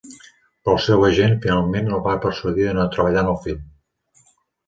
Però el seu agent, finalment, el va persuadir de no treballar en el film.